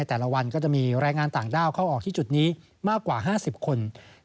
แต่ละวันก็จะมีแรงงานต่างด้าวเข้าออกที่จุดนี้มากกว่า๕๐คน